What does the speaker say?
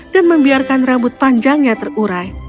dan membiarkan rambut panjangnya terurai